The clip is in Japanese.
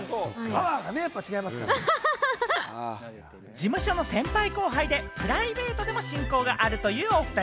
事務所の先輩・後輩で、プライベートでも親交があるというお２人。